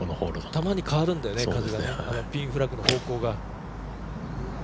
たまに変わるんだよね、ピンフラッグの方向が。